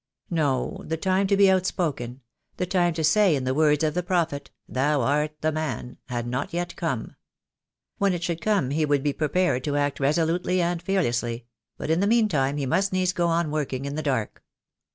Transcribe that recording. No, the time to be outspoken — the time to say in the I I O THE DAY WILL COME. words of the prophet — "Thou art the man," had not yet come. When it should come he would be prepared to act resolutely and fearlessly; but in the meantime he must needs go on working in the dark.